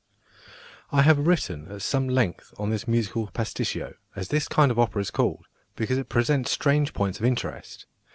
I have written at some length on this musical "pasticcio," as this kind of opera is called, because it presents strange points of interest.